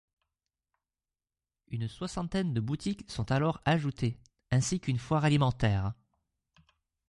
Une soixantaine de boutiques sont alors ajoutées ainsi qu’une foire alimentaire.